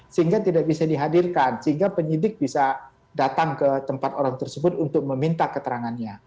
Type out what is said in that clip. sehingga tidak bisa dihadirkan sehingga penyidik bisa datang ke tempat orang tersebut untuk meminta keterangannya